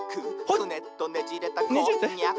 「クネっとねじれたこんにゃく」